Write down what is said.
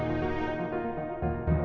cari gine demonstrasi makan